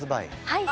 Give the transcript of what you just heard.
はい。